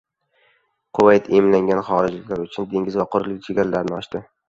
Kuvayt emlangan xorijliklar uchun dengiz va quruqlik chegaralarini ochadi